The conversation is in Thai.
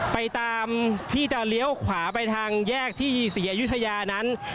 ไปตามที่จะเลี้ยวขวาไปทางแยกที่ศรีอยุธยานั้น